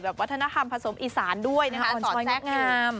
แบบวัฒนธรรมผสมอีสานด้วยนะครับ